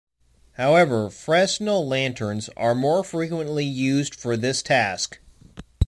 However, fresnel lanterns are more frequently used for this task.